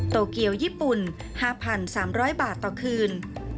โตเกียวญี่ปุ่น๕๓๐๐บาทต่อคืน